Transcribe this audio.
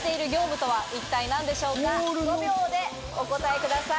５秒でお答えください。